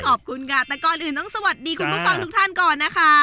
ขอบคุณค่ะแต่ก่อนอื่นต้องสวัสดีคุณผู้ฟังทุกท่านก่อนนะคะ